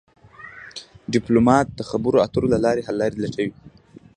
ډيپلومات د خبرو اترو له لارې حل لارې لټوي.